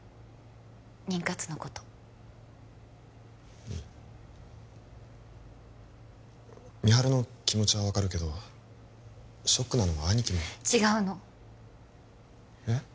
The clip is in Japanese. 妊活のことうん美晴の気持ちは分かるけどショックなのは兄貴も違うのえっ？